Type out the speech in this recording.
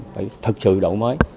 phải thực sự đổi mới